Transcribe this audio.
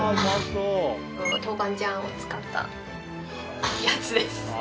豆板醤を使ったやつです。